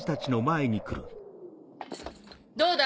どうだ？